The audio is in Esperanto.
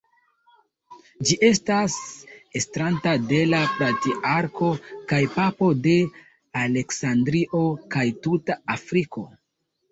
Ĝi estas estrata de la "Patriarko kaj Papo de Aleksandrio kaj tuta Afriko".